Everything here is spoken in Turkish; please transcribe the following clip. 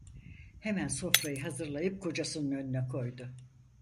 Hemen sofrayı hazırlayıp kocasının önüne koydu.